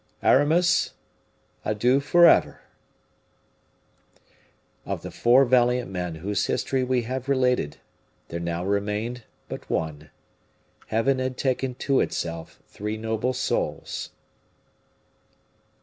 Aramis, adieu forever!" Of the four valiant men whose history we have related, there now remained but one. Heaven had taken to itself three noble souls.